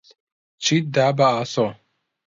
چیت دا بە ئاسۆ؟